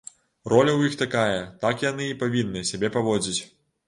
Роля ў іх такая, так яны і павінны сябе паводзіць!